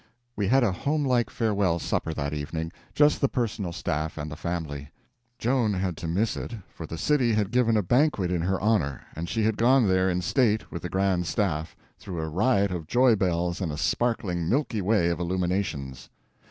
We had a homelike farewell supper that evening—just the personal staff and the family. Joan had to miss it; for the city had given a banquet in her honor, and she had gone there in state with the Grand Staff, through a riot of joy bells and a sparkling Milky Way of illuminations.